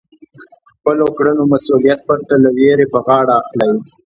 د خپلو کړنو مسؤلیت پرته له وېرې په غاړه اخلئ.